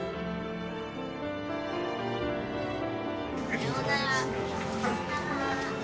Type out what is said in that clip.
さようなら。